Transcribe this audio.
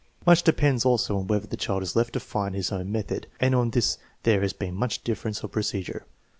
Much depends also on whether the child is left to find his own method, and on this there has been much difference of procedure.